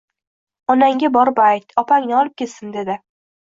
Onangga borib ayt, opangni olib ketsin, dedi